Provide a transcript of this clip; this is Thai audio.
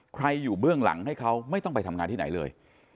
อยู่เบื้องหลังให้เขาไม่ต้องไปทำงานที่ไหนเลย